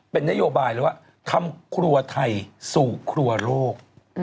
เป็นนโยบายเลยว่าทำครัวไทยสู่ครัวโลก